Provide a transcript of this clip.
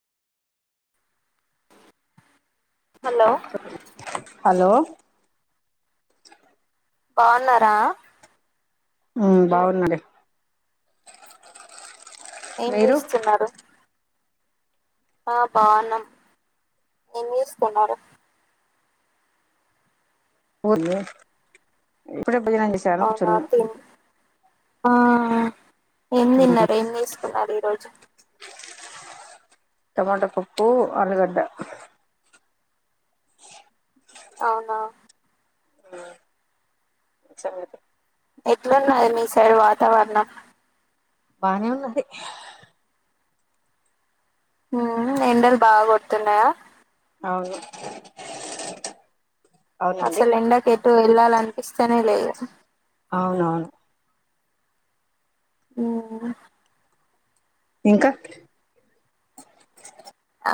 hollow hello బాన్నారా ఊ బాగున్నాలే ఏం చేస్తున్నారు ఆ బాన్నాం ఏం చేస్తున్నారు పోలే ఇప్పుడే భోజనం చేసానం అవునా కుచున్నాం తిన్ ఆ.... ఏం తిన్నారు ఏం చేసుకున్నారు ఈ రోజు అది దోస టమాటా పప్పు ఆలుగడ్డ అవ్నా సంగిత ఎట్లున్నాది మీ సైడ్ వాతావరణం బానే ఉన్నది ఊ ఎండలు బాగ్ కొడుతున్నాయా అవును అవునండి అసలు ఎండకి వెళ్ళాలా అనిపిస్తు తన లేవు అవునవును ఊ ఓ ఇంకా